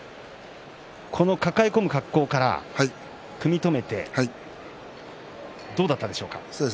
この抱え込む格好から組み止めてどうだったでしょうか。